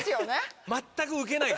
全くウケない顔。